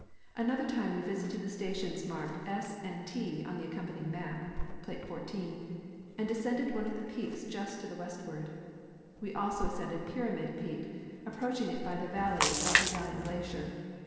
Another time Ave visited the stations marked ^S* and T on the accompanying map (plate 14), and ascended one of the peaks j ust to the westAvard. We also ascended Pyramid peak, approach ing it by the valley of the Dying glacier.